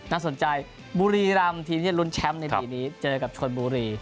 น่าสนใจบุรีรำทีมที่จะลุ้นแชมป์ในปีนี้เจอกับชนบุรี